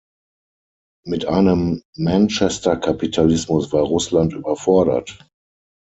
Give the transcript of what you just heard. Mit einem Manchester-Kapitalismus war Russland überfordert.